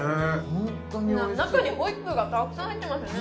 ホントにおいしい中にホイップがたくさん入ってますね